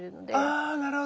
あなるほど。